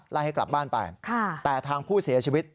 ไล่ให้กลับบ้านไปแต่ทางผู้เสียชีวิต